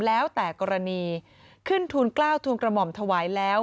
แล้วแต่กรณีขึ้นทุนกล้าวทูลกระหม่อมถวายแล้ว